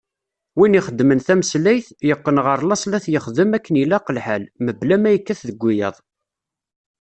Win ixeddmen tameslayt, yeqqen ɣer laṣel ad t-yexdem akken ilaq lḥal, mebla ma yekkat deg wiyaḍ.